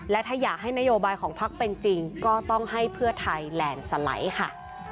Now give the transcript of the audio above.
และถ้าอยากให้นโยบายของพักเป็นจริงก็ต้องให้เพื่อไทยแลนด์สไลด์ค่ะ